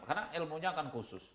karena ilmunya kan khusus